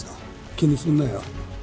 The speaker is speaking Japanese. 気にすんなよ。